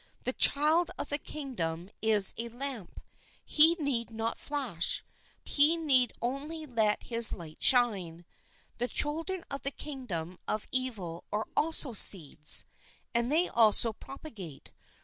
The child of the kingdom is a lamp ; he need not flash ; he need only let his light shine. The children of the kingdom of evil are also seeds ; and they also propagate.